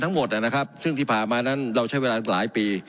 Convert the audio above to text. ทั้งหมดนะครับซึ่งที่ผ่านมานั้นเราใช้เวลาหลายปี